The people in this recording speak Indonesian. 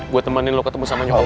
gue temenin lo ketemu sama nyokap gue